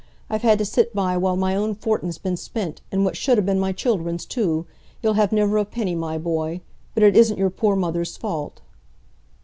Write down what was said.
I've had to sit by while my own fortin's been spent, and what should ha' been my children's, too. You'll have niver a penny, my boy—but it isn't your poor mother's fault."